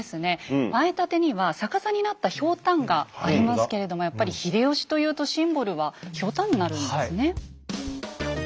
前立には逆さになったひょうたんがありますけれどもやっぱり秀吉というとシンボルはひょうたんになるんですね。